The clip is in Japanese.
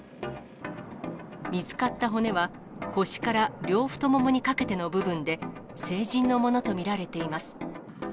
見つかった骨は、腰から両太ももにかけての部分で、成人のものと見られています。